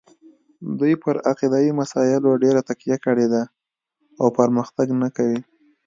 دوی پر عقیدوي مسایلو ډېره تکیه کړې ده او پرمختګ نه کوي.